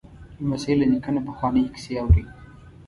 لمسی له نیکه نه پخوانۍ کیسې اوري.